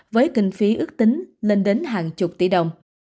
với kinh phí ước tính lên đến hàng chục tỷ đồng